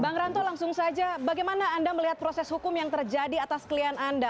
bang ranto langsung saja bagaimana anda melihat proses hukum yang terjadi atas klien anda